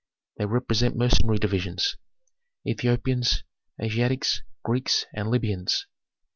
They represent mercenary divisions, Ethiopians, Asiatics, Greeks, and Libyans.